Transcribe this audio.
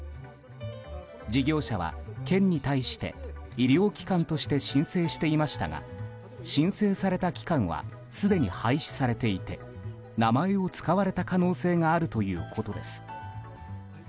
事業者は県に対して医療機関として申請していましたが申請された機関はすでに廃止されていて名前を使われた可能性があるということです。